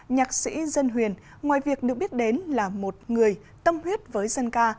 nhạc sĩ dân huyền ngoài việc được biết đến là một người tâm huyết với dân ca